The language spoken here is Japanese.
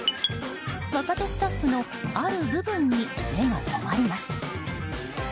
若手スタッフのある部分に目が留まります。